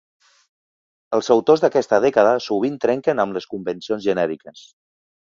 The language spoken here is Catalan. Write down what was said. Els autors d'aquesta dècada sovint trenquen amb les convencions genèriques.